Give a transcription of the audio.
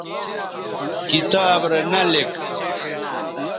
کتاب رے نہ لِک